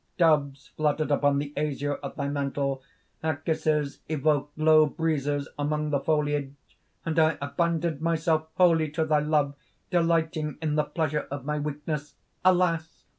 Doves fluttered upon the azure of thy mantle; our kisses evoked low breezes among the foliage; and I abandoned myself wholly to thy love, delighting in the pleasure of my weakness. "Alas!